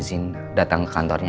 ya udah kaya orang kawannya